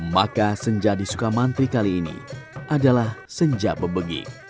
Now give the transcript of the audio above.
maka senja di sukamantri kali ini adalah senja bebegik